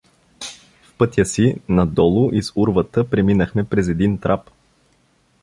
В пътя си надолу из урвата преминахме през един трап.